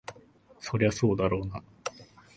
そりゃそうだろうな。